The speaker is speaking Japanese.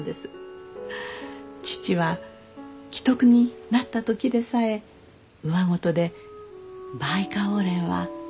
父は危篤になった時でさえうわごとで「バイカオウレンは咲いたか？」